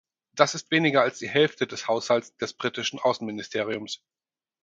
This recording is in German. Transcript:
Das ist weniger als die Hälfte des Haushalts des britischen Außenministeriums.